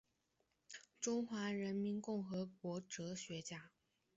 中华人民共和国哲学家。